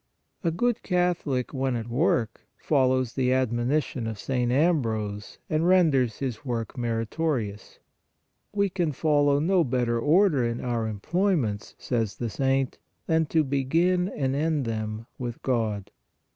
A good Cath olic, when at work, follows the admonition of St. Ambrose and renders his work meritorious :" We can follow no better order in our employments," says the saint, " than to begin and end them with God."